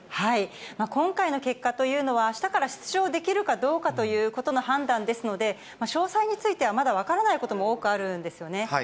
今回の結果というのは、あしたから出場できるかどうかということの判断ですので、詳細については、まだ分からないことも多くあるんですよね。